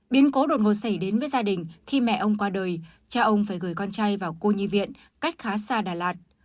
biến cố đột ngột xảy đến với gia đình khi mẹ ông qua đời cha ông phải gửi con trai vào cô nhi viện cách khá xa đà lạt